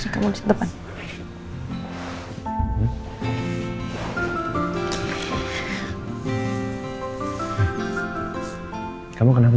coba kamu lihat depan